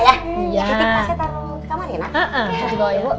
titik titik pasnya taruh ke kamarnya nak